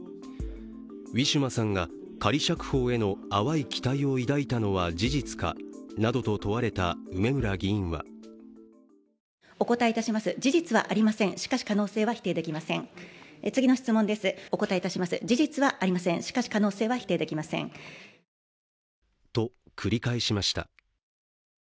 ウィシュマさんが仮釈放への淡い期待を抱いたのは事実かなどと問われた梅村議員はと繰り返しました。